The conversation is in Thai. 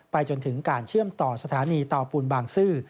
จนถึงการเชื่อมต่อสถานีเตาปูนบางซื่อ